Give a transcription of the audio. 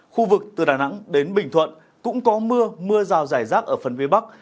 khu vực từ đà nẵng đến bình thuận cũng có mưa mưa rào rải rác ở phần phía bắc